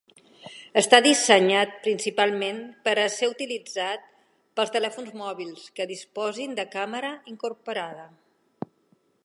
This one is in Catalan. Està dissenyat principalment per a ser utilitzat pels telèfons mòbils que disposin de càmera incorporada.